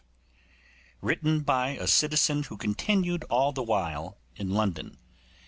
Written by a CITIZEN who continued all the while in London_.